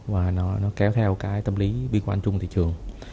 và nó kéo theo cái tâm lý biên quan trung của thị trường